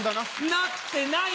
なってない！